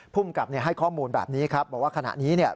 ผู้มกลับให้ข้อมูลแบบนี้นะครับว่าขณะนี้เนี่ย